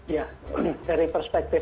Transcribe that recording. ya dari perspektif